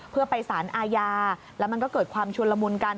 เพื่อไปสารอาญาแล้วมันก็เกิดความชุนละมุนกัน